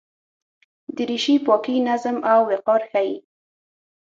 دریشي پاکي، نظم او وقار ښيي.